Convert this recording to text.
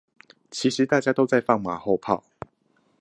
其實大家都在放馬後炮！